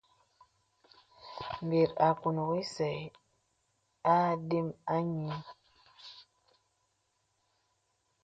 Mbir àkuŋ ìsə adəm anyì.